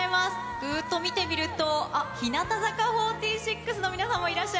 ぐーっと見てみると、あっ、日向坂４６の皆さんもいらっしゃ